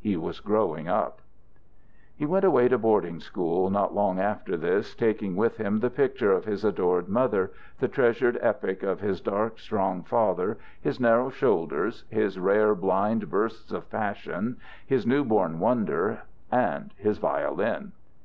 He was growing up. He went away to boarding school not long after this, taking with him the picture of his adored mother, the treasured epic of his dark, strong fathers, his narrow shoulders, his rare, blind bursts of passion, his newborn wonder, and his violin.